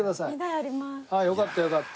ああよかったよかった。